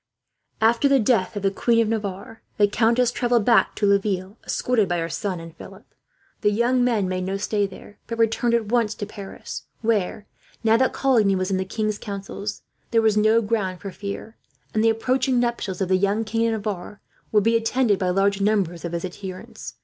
After the death of the Queen of Navarre the countess travelled back to Laville, escorted by her son and Philip. The young men made no stay there, but returned at once to Paris where, now that Coligny was in the king's counsels, there was no ground for fear, and the approaching nuptials of the young King of Navarre would be attended by large numbers of his adherents.